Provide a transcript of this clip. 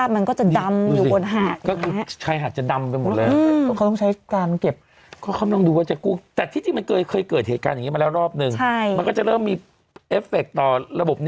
ไม่เกี่ยวกับอาหารทะเลนั่นแหละ